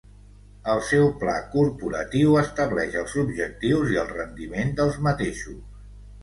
El seu Pla Corporatiu estableix els objectius i el rendiment dels mateixos.